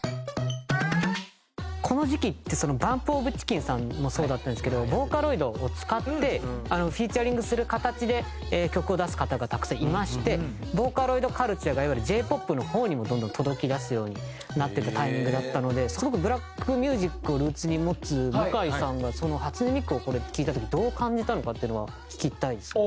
この時期ってＢＵＭＰＯＦＣＨＩＣＫＥＮさんもそうだったんですけどボーカロイドを使ってフィーチャリングする形で曲を出す方がたくさんいましてボーカロイドカルチャーがいわゆるＪ−ＰＯＰの方にもどんどん届きだすようになってたタイミングだったのですごくブラックミュージックをルーツに持つ向井さんがその初音ミクを聴いた時にどう感じたのかっていうのは聞きたいですね。